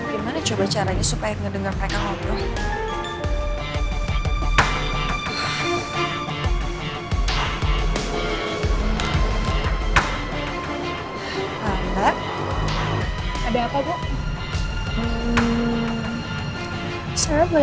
gimana coba caranya supaya ngedengar mereka ngobrol